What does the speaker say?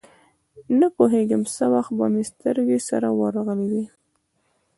نپوهېږم څه وخت به مې سترګې سره ورغلې وې.